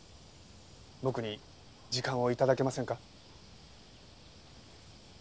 僕に時間を頂けませんか？